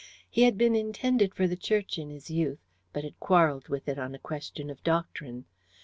He had been intended for the Church in his youth, but had quarrelled with it on a question of doctrine.